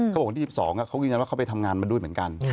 เขาบอกวันที่๒๒เขายืนยันว่าเขาไปทำงานมาด้วยเหมือนกัน